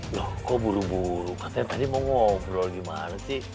loh kok buru buru katanya tadi mau ngobrol gimana sih